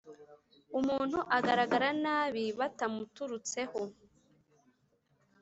umuntu agaragara nabi batamuturutseho